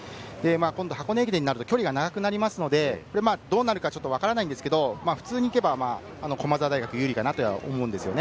箱根駅伝になると距離が長くなりますので、どうなるかわからないんですけど、普通にいけば駒澤大学、有利かなと思うんですよね。